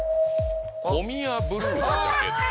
コミヤブルーのジャケット。